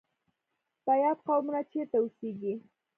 بیات قومونه چیرته اوسیږي؟